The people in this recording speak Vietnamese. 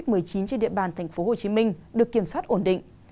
trên địa bàn tp hcm được kiểm soát ổn định